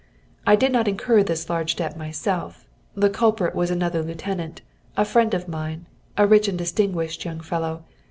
"I did not incur this large debt myself, the culprit was another lieutenant, a friend of mine, a rich and distinguished young fellow.